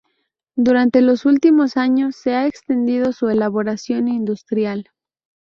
Durante los últimos años se ha extendido su elaboración industrial.